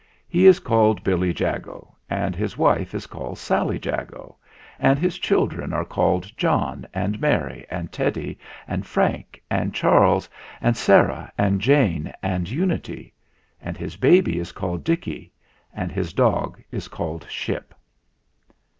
He is called Billy Jago, and his wife is called Sally Jago, and his children are called John and Mary and Teddy and Frank and Charles anc[ Sarah and Jane and Unity; and his baby is called Dicky, and his dog is called Ship.